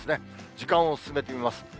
時間を進めてみます。